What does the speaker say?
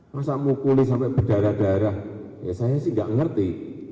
masa mukuli sampai berdarah darah ya saya sih nggak ngerti